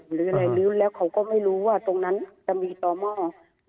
หรืออะไรลื้อแล้วเขาก็ไม่รู้ว่าตรงนั้นจะมีต่อหม้อ